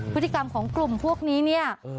พฤติกรรมของกลุ่มพวกนี้เนี่ย